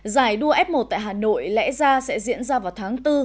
giải đua f một tại hà nội lẽ ra sẽ diễn ra vào tháng bốn